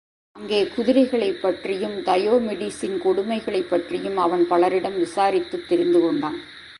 அங்கே குதிரைகளைப் பற்றியும், தயோமிடிஸின் கொடுமைகளைப் பற்றியும் அவன் பலரிடம் விசாரித்துத் தெரிந்துகொண்டான்.